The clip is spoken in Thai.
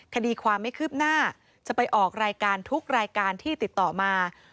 คดีความไม่คืบหน้าจะไปออกรายการทุกรายการที่ติดต่อมา